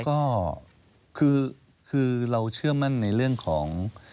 ก็คือเราเชื่อมั่นในเรื่องของ